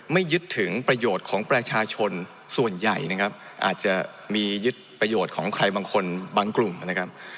ไม่ยึดถึงประโยชน์ของประชาชนส่วนใหญ่นะครับอาจจะมียึดประโยชน์ของใครบางคนบางกลุ่มนะครับ